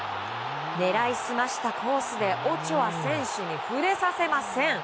狙い澄ましたコースでオチョア選手に触れさせません。